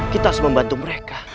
kita harus membantu mereka